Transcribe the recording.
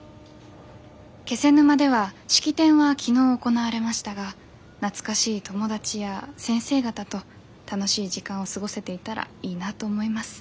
気仙沼では式典は昨日行われましたが懐かしい友達や先生方と楽しい時間を過ごせていたらいいなと思います。